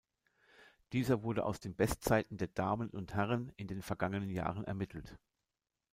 Dieser wurde aus den Bestzeiten der Damen und Herren in den vergangenen Jahren ermittelt.